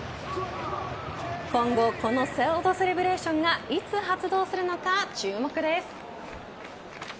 今後、このソードセレブレーションがいつ発動するのか注目です。